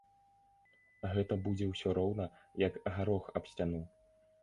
Гэта будзе ўсё роўна, як гарох аб сцяну.